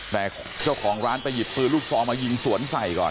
แต่เจ้าของร้านไปหยิบปืนลูกซองมายิงสวนใส่ก่อน